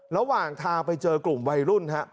ระหว่างทางไปเจอกลุ่มวัยรุ่นฮะ